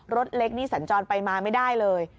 รถเล็กนี่สัญจรไปมาไม่ได้เลย